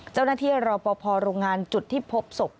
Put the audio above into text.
เจ้าหน้าที่รอป่อโรงงานจุดที่พบศพ